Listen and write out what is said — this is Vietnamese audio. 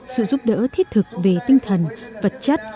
sự giúp đỡ thiết thực về tinh thần vật chất